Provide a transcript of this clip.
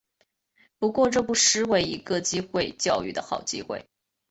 不过这不失为一个机会教育的好机会